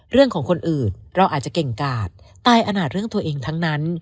เรื่องของคนอื่นเราอาจจะเก่งกาดตายอนาจเรื่องตัวเองทั้งนั้น